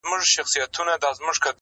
څو ټپې نمکیني څو غزل خواږه خواږه لرم,